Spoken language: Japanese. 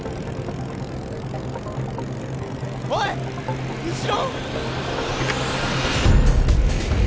おい後ろ！